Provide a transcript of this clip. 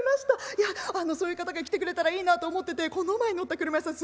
いやあのそういう方が来てくれたらいいなと思っててこの前乗った俥屋さん